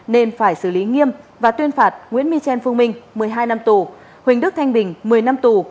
nên phải xử lý nghiêm và tuyên phạt nguyễn michel phương minh một mươi hai năm tù huỳnh đức thanh bình một mươi năm tù